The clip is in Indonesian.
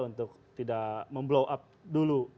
untuk tidak memblow up dulu